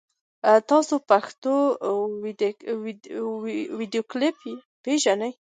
تاسو پښتو ویکیپېډیا پېژنۍ؟